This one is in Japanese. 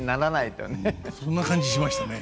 そんな感じしましたね。